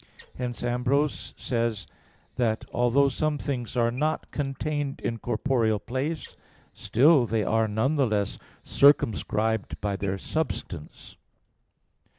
Hence Ambrose says (De Spir. Sanct. i, 7) that "although some things are not contained in corporeal place, still they are none the less circumscribed by their substance."